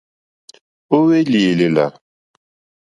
Ó hwélì èlèlà.